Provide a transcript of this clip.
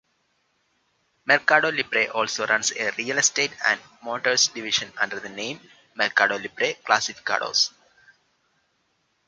MercadoLibre also runs a real estate and motors division under the name MercadoLibre Clasificados.